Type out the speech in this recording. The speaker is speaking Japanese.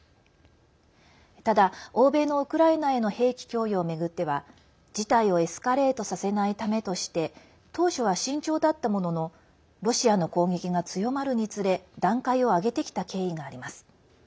ただ、欧米のウクライナへの兵器供与を巡っては、事態をエスカレートさせないためとして当初は慎重だったもののロシアの攻撃が強まるにつれ段階を上げてきた経緯があります。